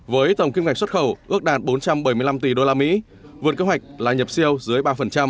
với tổng kim ngạch xuất khẩu ước đạt bốn trăm bảy mươi năm tỷ usd vượt kế hoạch là nhập siêu dưới ba